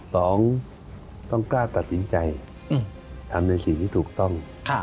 สองต้องกล้าตัดสินใจทำในสิ่งที่ถูกต้อง